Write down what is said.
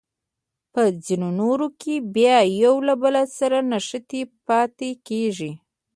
په ځینو نورو کې بیا یو له بل سره نښتې پاتې کیږي.